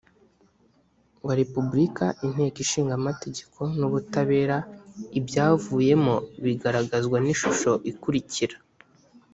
wa repubulika inteko ishinga amategeko n ubutabera ibyavuyemo bigaragazwa n ishusho ikurikira